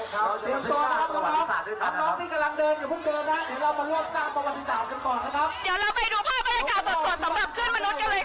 ใช่ครับครับครับเดี๋ยวเราไปดูภาพบรรยากาศส่วนส่วนส่วนสำหรับขึ้นมนุษย์กันเลยค่ะ